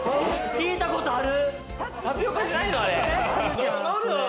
聞いたことある。